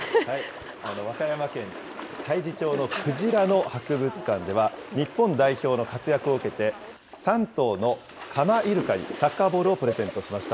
和歌山県太地町のくじらの博物館では、日本代表の活躍を受けて、３頭のカマイルカに、サッカーボールをプレゼントしました。